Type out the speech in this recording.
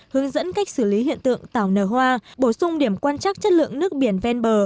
hướng dẫn cách xử lý hiện tượng tảo nở hoa bổ sung điểm quan chắc chất lượng nước biển ven bờ